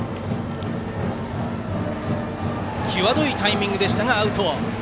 際どいタイミングでしたがアウト。